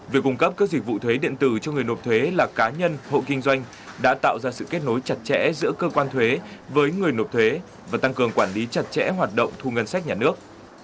việc cung cấp các dịch vụ thuế điện tử cho người nộp thuế là cá nhân hộ kinh doanh đã tạo ra sự kết nối chặt chẽ giữa cơ quan thuế với người nộp thuế và tăng cường quản lý chặt chẽ hoạt động thu ngân sách nhà nước